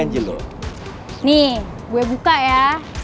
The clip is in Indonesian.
nih gue buka ya